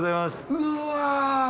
うわ。